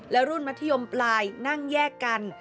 และรุ่นมัธยมปลายนั่งแยกกัน